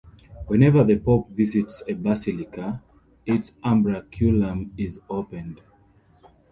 Whenever the pope visits a basilica, its umbraculum is opened.